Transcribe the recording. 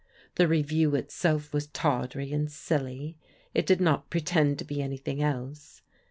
The Revue itself was tawdry and silly — ^it did not pretend to be anything else.